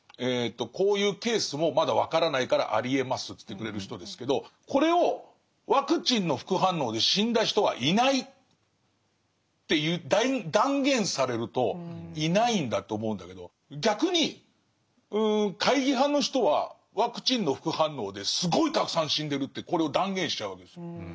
こういうケースもまだ分からないからありえますと言ってくれる人ですけどこれを「ワクチンの副反応で死んだ人はいない」って断言されるといないんだと思うんだけど逆に懐疑派の人は「ワクチンの副反応ですごいたくさん死んでる」ってこれを断言しちゃうわけですよ。